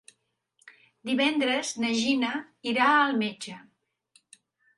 Divendres na Gina irà al metge.